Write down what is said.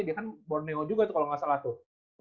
dia kan borneo juga tuh kalau nggak salah tuh